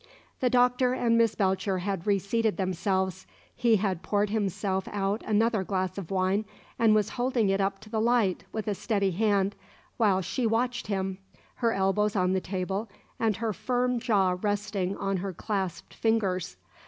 The Doctor and Miss Belcher had reseated themselves, He had poured himself out another glass of wine and was holding it up to the light with a steady hand, while she watched him, her elbows on the table and her firm jaw resting on her clasped fingers.